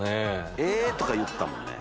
「え？」とか言ったもんね。